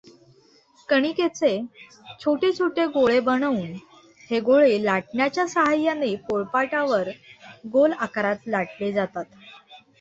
कणिकेचे छोटे छोटे गोळे बनवुन हे गोळे लाटण्याच्या साहाय्याने पोळपाटावर गोल आकारात लाटले जातात.